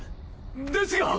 ですが。